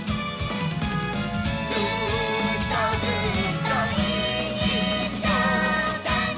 「ずーっとずっといっしょだね！」